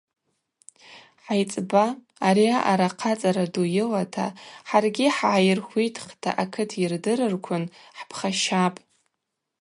Хӏайцӏба ари аъара хъацӏара ду йылата, хӏаргьи хӏгӏайырхвитхта акыт йырдырырквын хӏпхащапӏ.